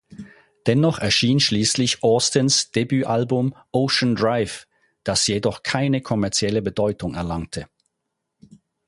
Dennoch erschien schließlich Austins Debütalbum "Ocean Drive", das jedoch keine kommerzielle Bedeutung erlangte.